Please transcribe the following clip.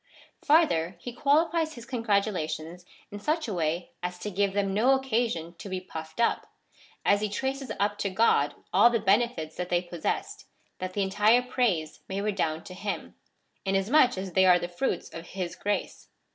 Farther, he qualifies his congratulations in such a way as to give them no occasion to be puffed up, as he traces up to God all the benefits that they possessed, that the entire praise may redound to him, inasmuch as they are the fruits of his grace.